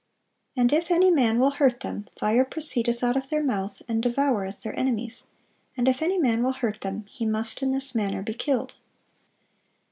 "And if any man will hurt them, fire proceedeth out of their mouth, and devoureth their enemies: and if any man will hurt them, he must in this manner be killed."